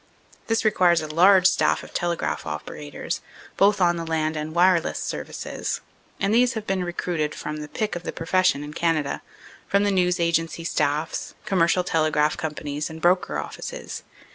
This requires a large staff of telegraph operators, both on the land and wireless services, and these have been recruited from the pick of the profession in Canada, from the news agency staffs, commercial telegraph companies and broker offices.